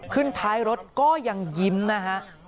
ท้ายรถก็ยังยิ้มนะฮะ